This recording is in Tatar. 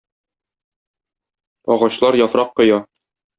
Агачлар яфрак коя.